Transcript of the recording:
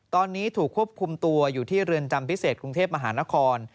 ตอนนี้ถูกควบคุมตัวอยู่ที่เรือนจำพิเศษกรุงเทพมหานคร